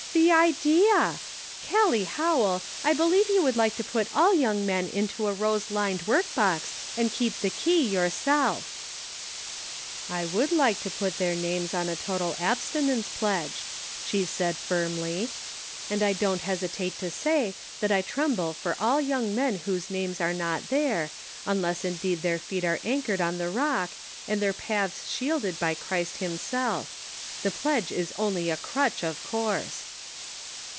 The idea ! Gallic Howell, I believe you would like to put all young men into a rose lined work box and keep the key yourself I " "I would like to put their names on a " Yet Lackest Thou ." 165 total abstinence pledge," she said firmly. "And I don't hesitate to say that I tremble for all young men whose names are not there, unless indeed their feet are anchored on the Rock, and their paths shielded by Christ him self; the pledge is only a crutch of course."